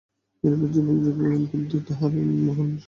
এইরূপে যুবক বুদ্ধ তাঁহার মহান সংস্কারকার্য আরম্ভ করেন।